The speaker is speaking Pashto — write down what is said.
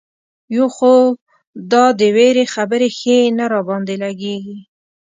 یو خو دا د وېرې خبرې ښې نه را باندې لګېږي.